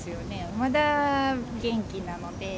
まだ元気なので。